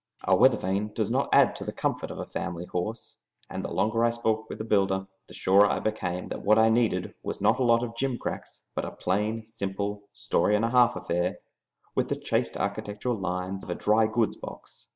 A weather vane does not add to the comfort of a family horse, and the longer I spoke with the builder the surer I became that what I needed was not a lot of gimcracks, but a plain, simple, story and a half affair, with the chaste architectural lines of a dry goods box.